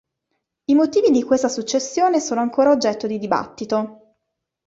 I motivi di questa successione sono ancora oggetto di dibattito.